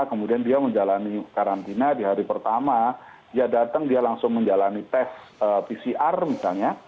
kemudian dia menjalani karantina di hari pertama dia datang dia langsung menjalani tes pcr misalnya